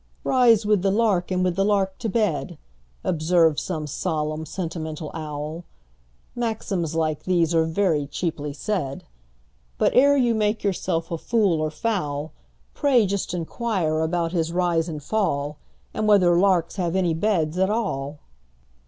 "Rise with the lark, and with the lark to bed,"Observes some solemn, sentimental owl; Maxims like these are very cheaply said; But, ere you make yourself a fool or fowl, Pray just inquire about his rise and fall, And whether larks have any beds at all!